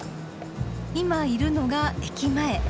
今いるのが駅前。